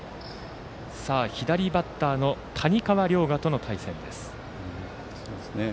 左バッターの谷川凌駕との対戦。